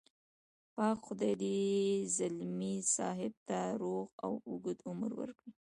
پاک خدای دې ځلمي صاحب ته روغ او اوږد عمر ورکړي.